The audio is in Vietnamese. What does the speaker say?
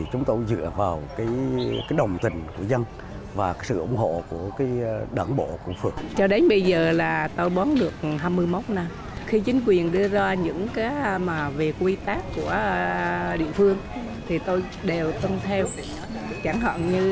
hộ dân sống trong kiệt hẻm thì được khuyến khích